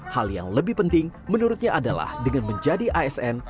hal yang lebih penting menurutnya adalah dengan menjadi asn